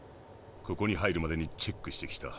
ここに入るまでにチェックしてきた。